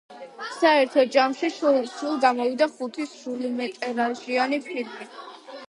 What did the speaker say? საერთო ჯამში, სულ გამოვიდა ხუთი სრულმეტრაჟიანი ფილმი.